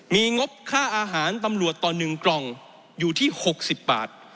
มีงบค่าอาหารตำรวจต่อ๑กล่องอยู่ที่๖๐บาท